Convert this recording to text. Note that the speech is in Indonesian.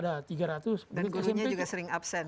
dan kulunya juga sering absen